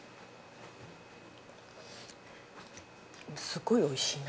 すごいおいしいな。